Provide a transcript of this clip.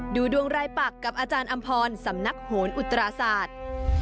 ดูดวงรายปักกับอาจารย์อำพรสำนักโหนอุตราศาสตร์